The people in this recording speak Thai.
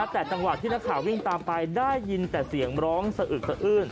แต่จังหวะที่นักข่าววิ่งตามไปได้ยินแต่เสียงร้องสะอึกสะอื้น